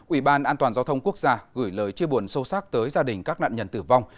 ủy ban an toàn giao thông quốc gia gửi lời chia buồn sâu sắc tới gia đình các nạn nhân tử vong